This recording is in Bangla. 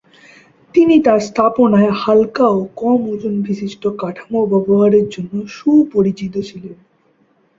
তিনি তার স্থাপনায় হালকা ও কম ওজন বিশিষ্ট কাঠামো ব্যবহারের জন্য সুপরিচিত ছিলেন।